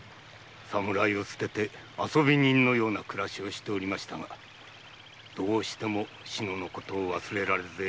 侍を捨てて遊び人のような暮らしをしておりましたがどうしても志乃のことを忘れられず江戸を離れた。